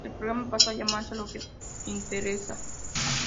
El programa pasó a llamarse "Lo que inTeresa".